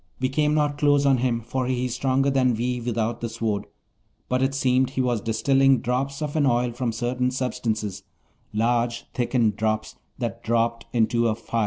We came not close on him, for he is stronger than we without the Sword, but it seemed he was distilling drops of an oil from certain substances, large thickened drops that dropped into a phial.'